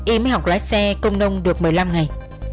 y mới học lái xe công nông được một mươi năm ngày